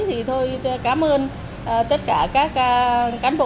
thì thôi cảm ơn tất cả các cán bộ